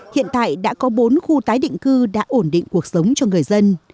hiện tại đã có bốn khu tái định cư đã ổn định cuộc sống cho người dân